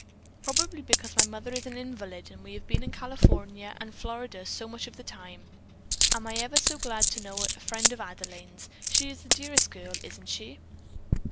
"Probably because my mother is an invalid and we have been in California and Florida so much of the time. I am ever so glad to know a friend of Adelaine's. She is the dearest girl, isn't she?"